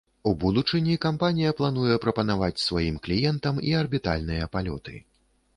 У будучыні кампанія плануе прапанаваць сваім кліентам і арбітальныя палёты.